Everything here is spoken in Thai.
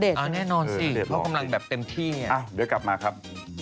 ณเดชน์ใช่ไหมณเดชน์หล่อมากเลยเออเดี๋ยวกลับมาครับเออแน่นอนสิเพราะกำลังแบบเต็มที่